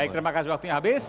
baik terima kasih waktunya habis